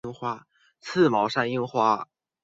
刺毛山樱花